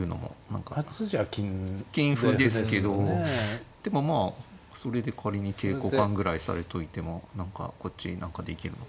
金歩ですけどでもまあそれで仮に桂交換ぐらいされといても何かこっち何かできるのかとか。